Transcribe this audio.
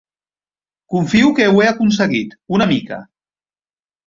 Confio que ho he aconseguit, una mica